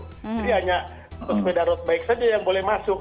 jadi hanya sepeda road bike saja yang boleh masuk